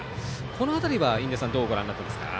この辺りは印出さんどうご覧になっていますか？